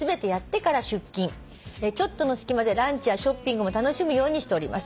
「ちょっとの隙間でランチやショッピングも楽しむようにしております」